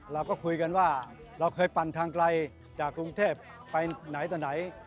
เราก็คุยกันว่าเราเคยปั่นทางไกลจากกรุงเทพไปไหนต่อไหน